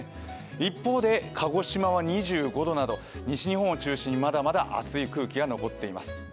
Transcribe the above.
一方で鹿児島は２５度など西日本を中心にまだまだ暑い空気が残っています。